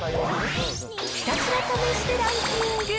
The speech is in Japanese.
ひたすら試してランキング。